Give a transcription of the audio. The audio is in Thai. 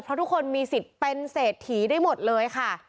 เพราะทุกคนมีสิทธิ์เป็นเศรษฐีได้หมดเลยค่ะ